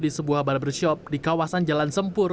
di sebuah barbershop di kawasan jalan sempur